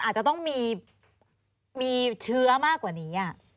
อาจจะต้องมีเชื้อมากกว่านี้